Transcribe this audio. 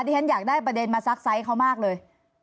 ที่ฉันอยากได้ประเด็นมาซักไซส์เขามากเลย